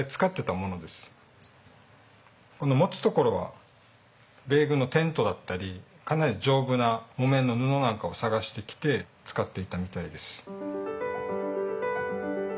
この持つところは米軍のテントだったりかなり丈夫な木綿の布なんかを探してきて使っていたみたいです。